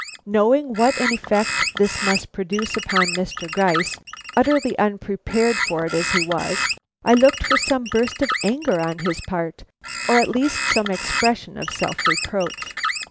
Knowing what an effect this must produce upon Mr. Gryce, utterly unprepared for it as he was, I looked for some burst of anger on his part, or at least some expression of self reproach.